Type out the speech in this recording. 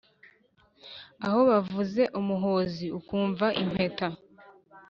aho bavuze umuhozi ukumva impeta